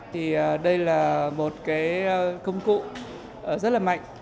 thì đây là một cái công cụ rất là mạnh